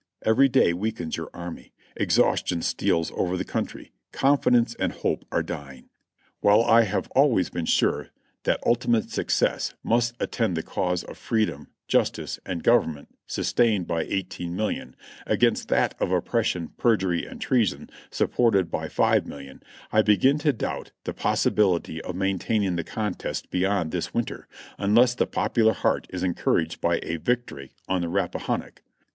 Every day weakens your army. Exhaustion steals over the country. Confidence and hope are dying. While I have been always sure that ultimate success must attend the cause of freedom, justice and government sustained by 18,000,000, against that of oppression, perjury and treason, sup ported by 5,000,000, I begin to doubt the possibility of main taining the contest beyond this winter, unless the popular heart is encouraged by a victory on the Rappahannock.